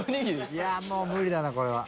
いやもう無理だなこれは。